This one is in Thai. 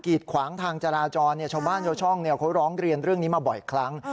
ีดขวางทางจราจรชาวบ้านชาวช่องเขาร้องเรียนเรื่องนี้มาบ่อยครั้ง